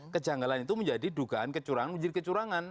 kejanggalan itu menjadi dugaan kecurangan menjadi kecurangan